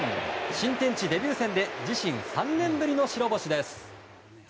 新天地デビュー戦で自身３年ぶりの白星です。